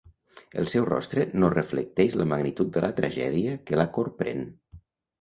El seu rostre no reflecteix la magnitud de la tragèdia que la corprèn.